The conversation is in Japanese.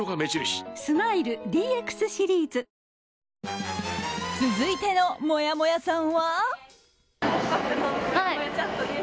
スマイル ＤＸ シリーズ！続いてのもやもやさんは。